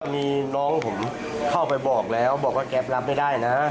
มีน้องผมเข้าไปบอกแล้วบอกว่าแก๊ปรับไม่ได้นะ